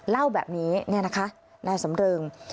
เล่าแบบนี้เนี่ยนะคะนายสำเริง